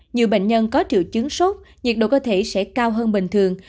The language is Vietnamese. nhiều bệnh nhân có triệu chứng sốt nhiệt độ cơ thể sẽ cao hơn bình thường